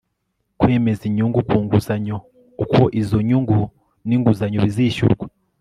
kwemeza inyungu ku nguzanyo, uko izo nyungu n'inguzanyo bizishyurwa